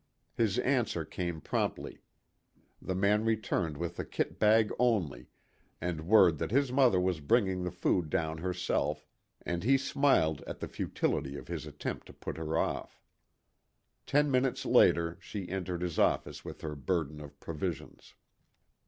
His answer came promptly. The man returned with the kit bag only, and word that his mother was bringing the food down herself, and he smiled at the futility of his attempt to put her off. Ten minutes later she entered his office with her burden of provisions.